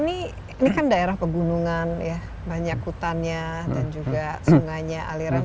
ini kan daerah pegunungan ya banyak hutannya dan juga sungainya alirannya